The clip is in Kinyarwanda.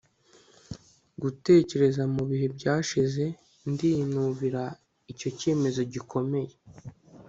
gutekereza ku bihe byashize ndinubira icyo cyemezo gikomeye